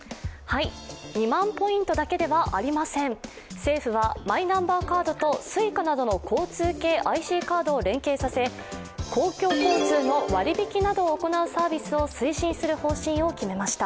２万ポイントだけではありません政府はマイナンバーカードとＳｕｉｃａなどの交通系ＩＣカードを連携させ公共交通の割り引きなどを行うサービスを推進する方針を決めました。